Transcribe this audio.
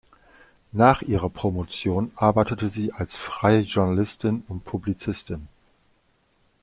Nach ihrer Promotion arbeitete sie als freie Journalistin und Publizistin.